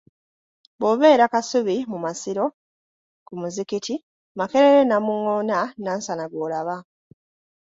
"Bw’obeera kasubi ku masiro ku muzikiti, Makerere, Namungoona, Nansana gw’olaba"